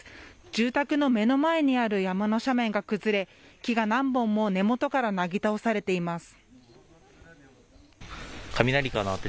住宅の目の前にある山の斜面が崩れて木が何本も根本からなぎ倒されています。